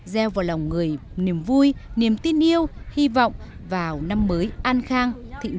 gieo vào lòng người niềm vui niềm tin yêu hy vọng vào năm mới an khang